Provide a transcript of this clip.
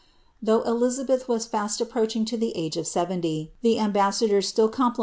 "' Though Elizabeth ra fast approaching to the age of seventy, the ambassadors still compli ' Sidney Papers.